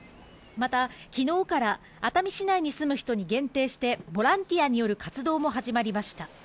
また昨日から熱海市内に住む人に限定してボランティアによる活動も始まりました。